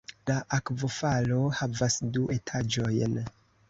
La akvofalo havas du etaĝojn.